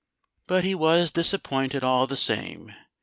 But he was disappointed, all the same.